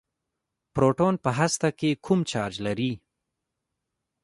پروټون په هسته کې کوم چارچ لري.